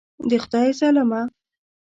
د خدای ظالمه.